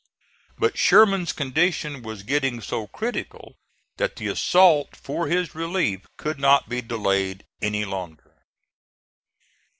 But Sherman's condition was getting so critical that the assault for his relief could not be delayed any longer.